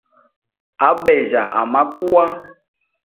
Abejya amakuwa.